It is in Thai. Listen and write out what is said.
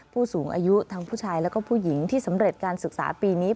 ผู้สูงอายุทั้งผู้ชายแล้วก็ผู้หญิงที่สำเร็จการศึกษาปีนี้